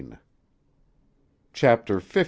CHAPTER XV.